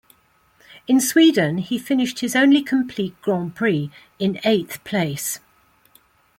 In Sweden, he finished his only complete Grand Prix, in eighth place.